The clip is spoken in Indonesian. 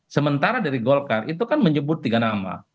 sementara dari golkar itu kan menyebut tiga nama